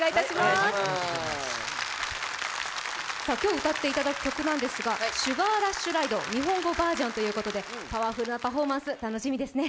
今日歌っていただく曲なんですが「ＳｕｇａｒＲｕｓｈＲｉｄｅ」日本語バージョンということでパワフルなパフォーマンス、楽しみですね。